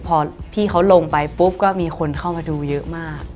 พอพี่เขาลงไปปุ๊บก็มีคนเข้ามาดูเยอะมาก